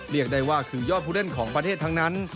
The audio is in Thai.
เรียกได้ว่าคือยอดผู้เล่นของประเทศทั้งนั้น